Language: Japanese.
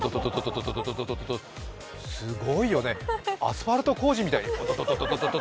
すごいよね、アスファルト工事みたい、ドドドドド。